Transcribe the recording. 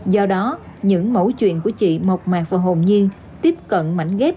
do đó những mẫu chuyện của chị mộc mạc và hồn nhiên tiếp cận mảnh ghép